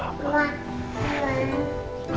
kamu pake pake